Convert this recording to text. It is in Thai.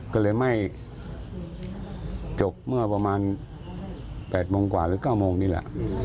ก็เลยไหม้จบเมื่อประมาณ๘๙โมงนี่แหละ